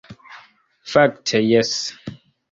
Fakte jes!